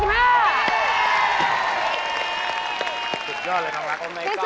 สุดยอดเลยทั้งละ